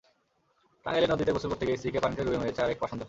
টাঙ্গাইলে নদীতে গোসল করতে গিয়ে স্ত্রীকে পানিতে ডুবিয়ে মেরেছে আরেক পাষণ্ড।